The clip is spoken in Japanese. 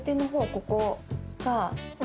ここがね